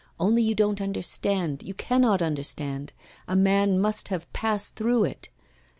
Only, you don't understand, you cannot understand; a man must have passed through it.